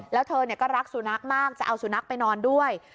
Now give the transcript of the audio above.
แล้วเธอก็รักสุนัขมากจะเอาสุนัขไปนอนด้วย